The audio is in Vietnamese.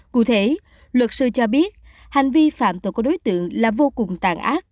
cụ thể luật sư cho biết hành vi phạm tội của đối tượng là vô cùng tàn ác